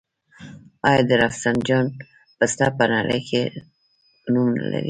آیا د رفسنجان پسته په نړۍ کې نوم نلري؟